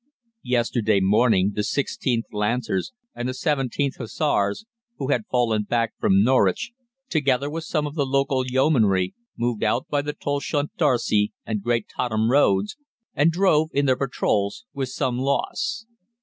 Yesterday morning the 16th Lancers and the 17th Hussars who had fallen back from Norwich together with some of the local Yeomanry, moved out by the Tolleshunt d'Arcy and Great Totham roads, and drove in their patrols with some loss.